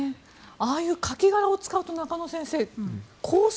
ああいうカキ殻を使うと中野先生